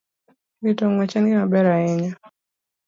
Rito ng'wech en gima ber ahinya